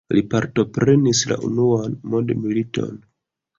Li partoprenis la unuan mondmiliton.